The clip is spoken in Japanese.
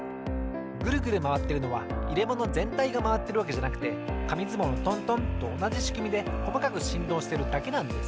グルグルまわってるのはいれものぜんたいがまわってるわけじゃなくてかみずもうのトントンとおなじしくみでこまかくしんどうしてるだけなんです。